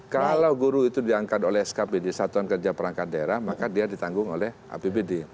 kalau guru itu diangkat oleh skpd satuan kerja perangkat daerah maka dia ditanggung oleh apbd